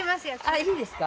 いいですか？